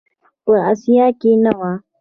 په آسیا کې نه و.